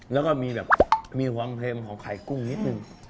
แล้วก็มีแบบมีความเค็มของไข่กุ้งนิดนึง